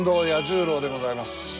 十郎でございます。